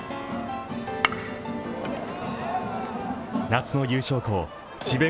夏の優勝校、智弁